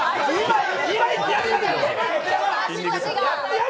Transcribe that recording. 今行ってやるよ！